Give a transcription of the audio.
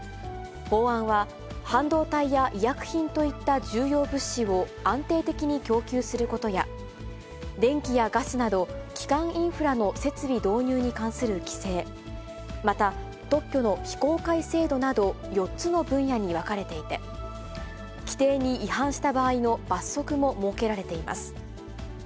法案は、半導体や医薬品といった重要物資を安定的に供給することや、電気やガスなど、基幹インフラの設備導入に関する規制、また、特許の非公開制度など４つの分野に分かれていて、規定に違反した場合の罰則も設けられています。